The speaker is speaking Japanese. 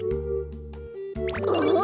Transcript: あっ！